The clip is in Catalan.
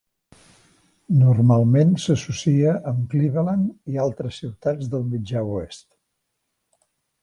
Normalment s'associa amb Cleveland i altres ciutats del mitjà oest.